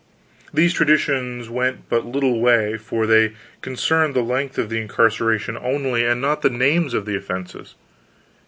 These traditions went but little way, for they concerned the length of the incarceration only, and not the names of the offenses.